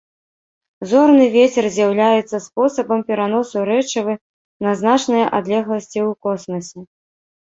Зорны вецер з'яўляецца спосабам пераносу рэчывы на значныя адлегласці ў космасе.